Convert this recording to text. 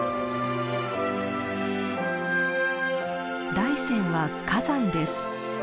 大山は火山です。